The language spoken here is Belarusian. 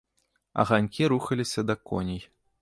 Аганькі рухаліся да коней.